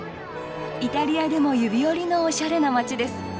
イタリアでも指折りのおしゃれな街です。